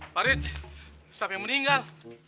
farid sampai meninggal